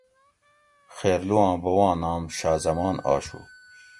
خیرلو آں بوباں نام شاہ زمان آشو